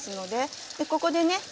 でここでね